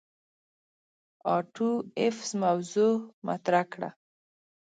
آټو ایفز موضوغ مطرح کړه.